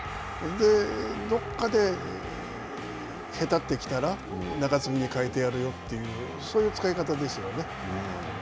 どこかでへたってきたら中継ぎに代えてやるよという、そういう使い方ですよね。